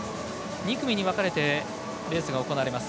２組に分かれてレースが行われます。